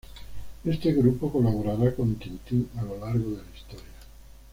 Este grupo colaborará con Tintín a lo largo de la historia.